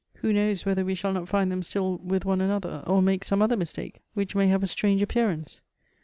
Who knows whether we shall not find theni still with one another, or make some other mistake, which may have a strange appearance?"